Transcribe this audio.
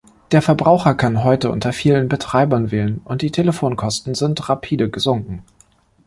Der Verbraucher kann heute unter vielen Betreibern wählen, und die Telefonkosten sind rapide gesunken.